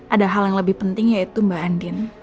ada hal yang lebih penting yaitu mbak andin